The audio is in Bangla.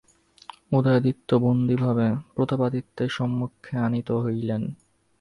উদয়াদিত্য বন্দিভাবে প্রতাপাদিত্যের সম্মুখে আনীত হইলেন।